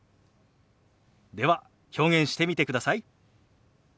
では表現してみてください。